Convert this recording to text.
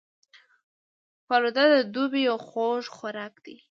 فالوده د دوبي یو خوږ خوراک دی